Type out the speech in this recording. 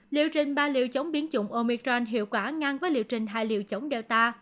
liều trình ba liều chống biến chủng omicron hiệu quả ngăn với liều trình hai liều chống delta